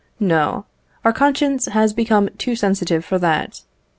No, our conscience has become too sensitive for that.